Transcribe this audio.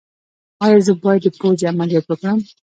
ایا زه باید د پوزې عملیات وکړم؟